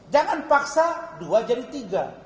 jangan paksa dua jadi tiga